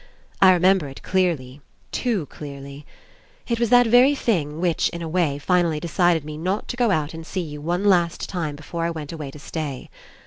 I remember It clearly, too clearly. It was that very thing which, In a way, finally decided me not to go out and see you one last time before I went away to stay.